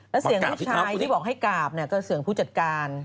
แล้วเสียงผู้ชายที่บอกให้กราบเนี่ยก็เสียงผู้จัดการ